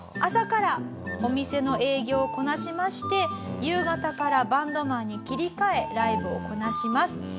朝からお店の営業をこなしまして夕方からバンドマンに切り替えライブをこなします。